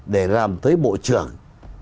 để làm tới bộ trưởng